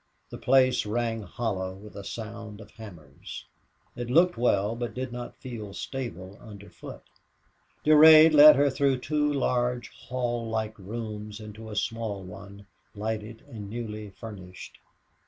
The place rang hollow with a sound of hammers. It looked well, but did not feel stable underfoot. Durade led her through two large hall like rooms into a small one, light and newly furnished.